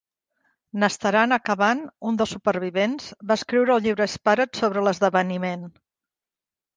Nastaran Akhavan, un dels supervivents, va escriure el llibre "Spared" sobre l'esdeveniment.